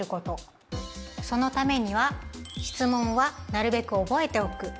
そのためには質問はなるべく覚えておく。